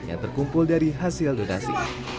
yang terkumpul dari hasil donasi